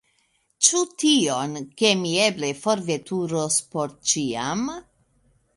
Ĉu tion, ke mi eble forveturos por ĉiam?